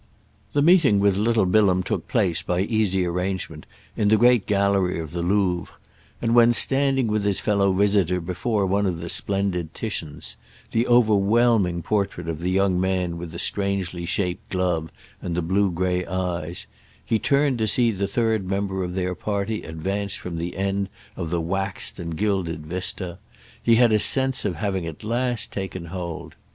The meeting with little Bilham took place, by easy arrangement, in the great gallery of the Louvre; and when, standing with his fellow visitor before one of the splendid Titians—the overwhelming portrait of the young man with the strangely shaped glove and the blue grey eyes—he turned to see the third member of their party advance from the end of the waxed and gilded vista, he had a sense of having at last taken hold.